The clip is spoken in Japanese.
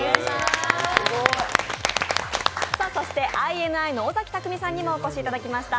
そしてＩＮＩの尾崎匠海さんにもお越しいただきました。